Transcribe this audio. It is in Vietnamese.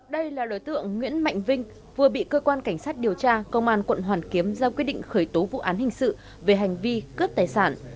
đây là đối tượng nguyễn mạnh vinh vừa bị cơ quan cảnh sát điều tra công an quận hoàn kiếm ra quyết định khởi tố vụ án hình sự về hành vi cướp tài sản